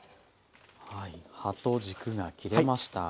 葉と軸が切れました。